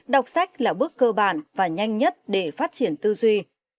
đọc sách là bước cơ bản và nhanh nhất để phát triển tư duy